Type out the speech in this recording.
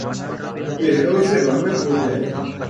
، چہروں سے رونق اڑ جائے ،